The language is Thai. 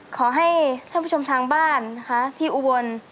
ขอให้ท่านผู้ชมทางบ้านนะคะที่อุบล